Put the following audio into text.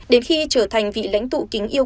đến khi trở thành vị lãnh tụ kính yêu